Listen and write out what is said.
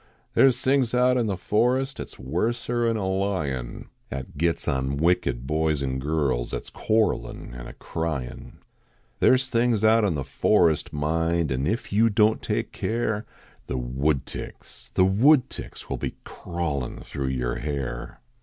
There s things out in the forest At s worser n a lion, At gets on wicked boys n girls At s cjiiarrelin an a cryin . There s things out in the forest, mind. An if you don t take care, The wooclticks the woodticks Will be crawlin thro yer hair.